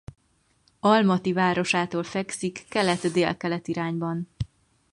Almati városától fekszik kelet-délkelet irányban.